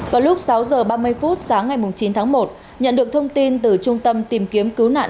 vào lúc sáu h ba mươi phút sáng ngày chín tháng một nhận được thông tin từ trung tâm tìm kiếm cứu nạn